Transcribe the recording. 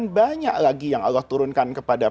banyak lagi yang allah turunkan kepada